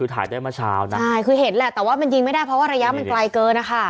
แต่ว่าเป็นยิงไม่ได้เพราะระยะมันไกลเกินนะคะ